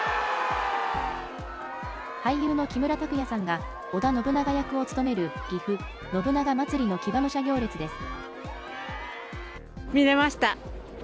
俳優の木村拓哉さんが、織田信長役を務めるぎふ信長まつりの騎馬武者行列です。